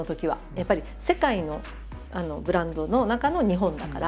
やっぱり世界のブランドの中の日本だから。